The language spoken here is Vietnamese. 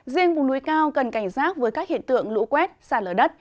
riêng vùng núi cao cần cảnh giác với các hiện tượng lũ quét xa lở đất